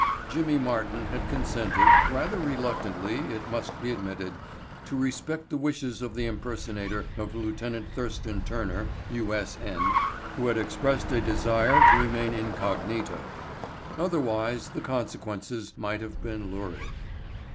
Jimmy Martin had consented, rather reluctantly it must be admitted, to respect the wishes of the impersonator of Lieut. Thurston Turner, U.S.N., who had expressed a desire to remain incognito. Otherwise the consequences might have been lurid.